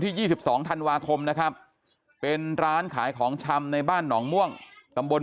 ๒๒ธันวาคมนะครับเป็นร้านขายของชำในบ้านหนองม่วงตำบล